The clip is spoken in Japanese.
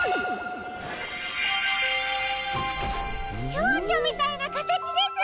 チョウチョみたいなかたちです！